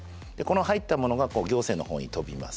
この入ったものが行政の方に飛びます。